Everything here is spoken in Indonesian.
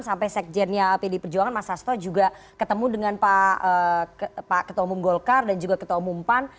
sampai sekjennya pd perjuangan mas sasto juga ketemu dengan pak ketua umum golkar dan juga ketua umum pan